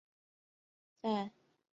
在全世界各地都有举办。